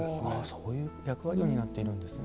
そういう役割を担っているんですね。